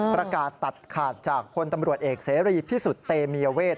ประกาศตัดขาดจากพลตำรวจเอกเสรีพิสุทธิ์เตมียเวท